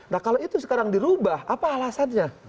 nah kalau itu sekarang dirubah apa alasannya